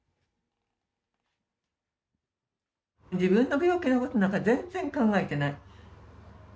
自分の病気のことなんか全然考えてない。